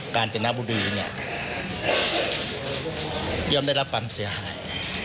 การจนบุรีเนี่ยย่อมได้รับความเสียหาย